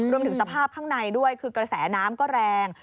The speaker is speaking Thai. รวมถึงสภาพข้างในด้วยคือกระแสน้ำก็แรง